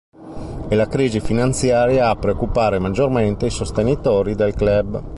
È la crisi finanziaria a preoccupare maggiormente i sostenitori del club.